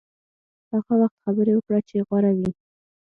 هغه وخت خبرې وکړه چې غوره وي.